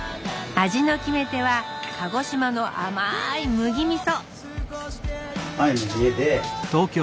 味の決め手は鹿児島の甘い麦みそ！